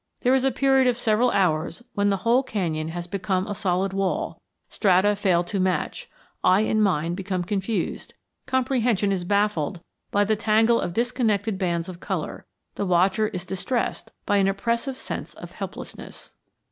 There is a period of several hours when the whole canyon has become a solid wall; strata fail to match; eye and mind become confused; comprehension is baffled by the tangle of disconnected bands of color; the watcher is distressed by an oppressive sense of helplessness.